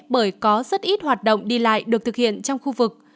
bởi có rất ít hoạt động đi lại được thực hiện trong khu vực